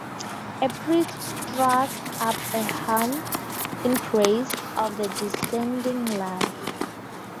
A priest struck up a hymn in praise of the descending light.